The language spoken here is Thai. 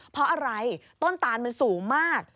เพราะอะไรต้นตานมันสูงมาก